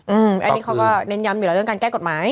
อันนี้เขาก็เน้นย้ำอยู่แล้วเรื่องการแก้กฎหมาย